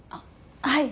はい。